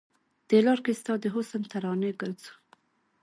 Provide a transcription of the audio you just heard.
د لار کې ستا د حسن ترانې ګرځو